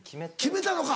決めたのか。